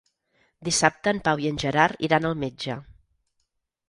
Dissabte en Pau i en Gerard iran al metge.